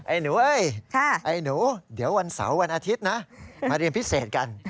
หนูเอ้ยไอ้หนูเดี๋ยววันเสาร์วันอาทิตย์นะมาเรียนพิเศษกัน